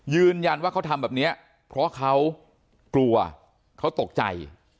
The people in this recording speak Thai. ยืนยันว่าเขาทำแบบนี้เพราะเขากลัวเขาตกใจ